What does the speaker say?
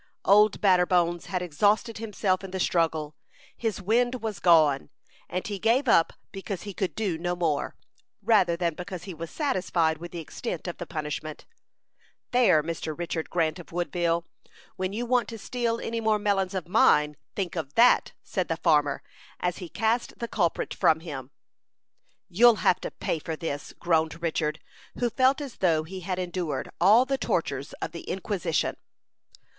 "Old Batterbones" had exhausted himself in the struggle. His "wind" was gone; and he gave up because he could do no more, rather than because he was satisfied with the extent of the punishment. "There, Mr. Richard Grant, of Woodville, when you want to steal any more melons of mine, think of that," said the farmer, as he cast the culprit from him. "You'll have to pay for this," groaned Richard, who felt as though he had endured all the tortures of the Inquisition.